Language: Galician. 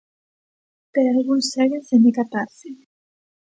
Pero algúns seguen sen decatarse.